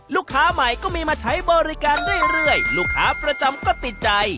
ลูกค้าใหม่ก็มีมาใช้บริการเรื่อยลูกค้าประจำก็ติดใจ